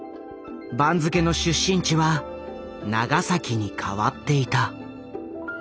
番付の出身地は「長崎」に変わっていた。